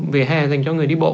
vỉa hè dành cho người đi bộ